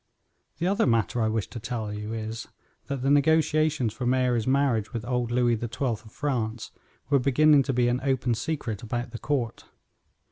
The other matter I wish to tell you is, that the negotiations for Mary's marriage with old Louis XII of France were beginning to be an open secret about the court.